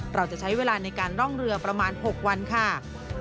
เราจะใช้เวลาในการร่องเรือประมาณ๖วันค่ะ